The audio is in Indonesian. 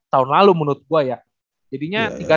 dan saya juga menurut gue future esther dia juga